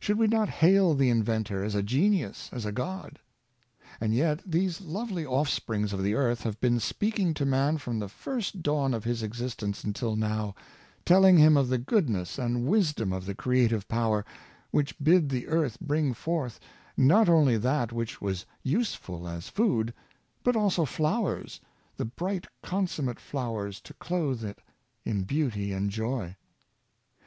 Should we not hail the inventor 32 Elegance of Floivers. as a genius, as a god? And yeX. these lovely offsprings of the earth have been speaking to man from the first dawn of his existence until now, telling him of the good ness and wisdom of the creative power, which bid the earth bring forth, not only that which was useful as food, but also flowers, the bright consumate flowers to clothe it in beauty and joy!